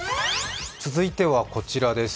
続いてはこちらです。